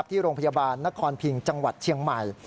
ที่โรงพยาบาลนครพิงจังหวัดเชียงใหม่